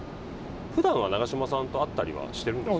ふだんは長嶋さんと会ったりはしてるんですか。